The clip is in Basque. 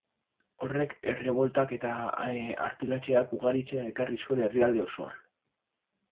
Horrek erreboltak eta arpilatzeak ugaritzea ekarri zuen herrialde osoan.